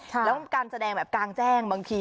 แล้วการแสดงแบบกลางแจ้งบางที